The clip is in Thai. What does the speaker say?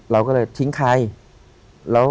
เราก็เลยทิ้งใคร